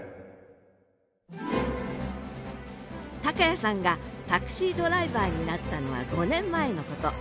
谷さんがタクシードライバーになったのは５年前のこと。